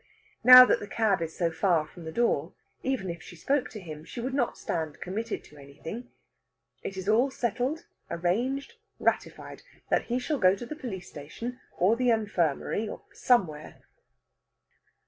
Now that the cab is so far from the door, even if she spoke to him, she would not stand committed to anything. It is all settled, arranged, ratified, that he shall go to the police station, or the infirmary, "or somewhere."